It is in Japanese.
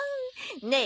ねえ。